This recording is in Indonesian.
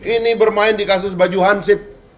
ini bermain di kasus baju hansip